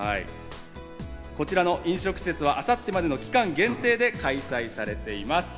こちらの飲食施設は明後日まで期間限定で開催されています。